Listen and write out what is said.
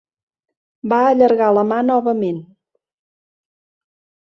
Va allargar la mà novament.